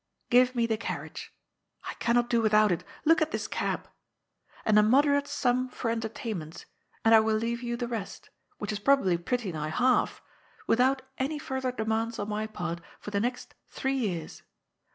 Give me the carriage — I cannot do without it : look at this cab !— and a moderate sum for entertainments, and I will leave you the rest, which is prob ably pretty nigh half, without any further demands on my part for the next three years.